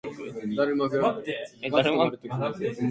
These models are often graphs, groups or lattices.